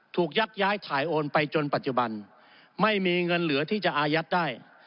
ยักย้ายถ่ายโอนไปจนปัจจุบันไม่มีเงินเหลือที่จะอายัดได้